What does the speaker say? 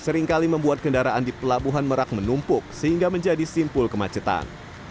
seringkali membuat kendaraan di pelabuhan merak menumpuk sehingga menjadi simpul kemacetan